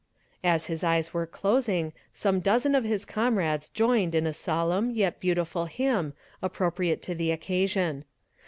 As his eyes were closing, some dozen of his comrades joined in a solemn, yet beautiful hymn, appropriate to the occasion.